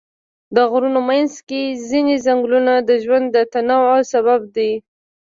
د غرونو منځ کې ځینې ځنګلونه د ژوند د تنوع سبب دي.